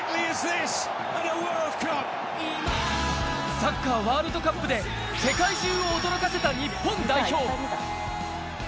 サッカーワールドカップで世界中を驚かせた日本代表。